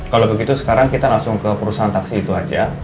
kalau begitu sekarang kita langsung ke perusahaan taksi itu aja